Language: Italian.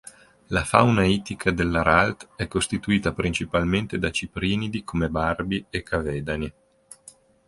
La fauna ittica dell’Aralt è costituita principalmente da ciprinidi, come barbi e cavedani.